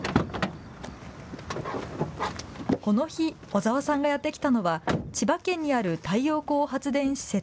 この日、小澤さんがやって来たのは千葉県にある太陽光発電施設。